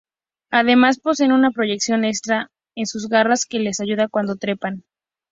Además, poseen una proyección extra en sus garras que les ayuda cuando trepan.